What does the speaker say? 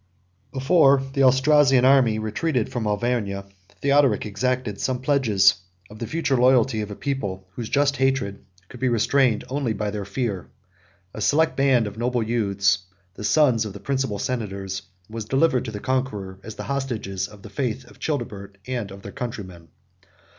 Before the Austrasian army retreated from Auvergne, Theodoric exacted some pledges of the future loyalty of a people, whose just hatred could be restrained only by their fear. A select band of noble youths, the sons of the principal senators, was delivered to the conqueror, as the hostages of the faith of Childebert, and of their countrymen.